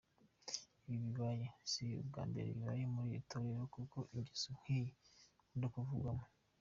Ibi bibaye , si ubwa mbere bibaye muri iri torero kuko ingeso nkiyi ikunda kuvugwamo .